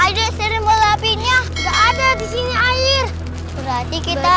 kadang kadang ambil air sering bola apinya ada di sini air berarti kita